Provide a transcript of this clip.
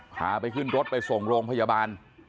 พาไปขึ้นรถไปส่งโรงพยาบาล